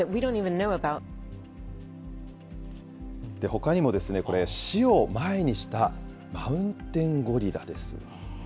ほかにもこれ、死を前にしたマウンテンゴリラです。